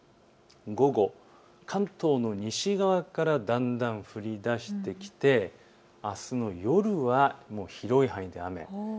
午後、関東の西側からだんだん降りだしてきてあすの夜は広い範囲で雨。